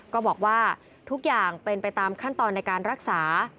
ก็บอกว่าทุกอย่างเป็นไปตามขั้นตอนในการรักษา